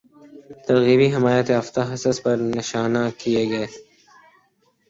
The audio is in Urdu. ترغیبی حمایتیافتہ حصص پر نشانہ کیے گئے